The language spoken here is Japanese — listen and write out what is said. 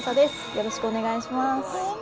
よろしくお願いします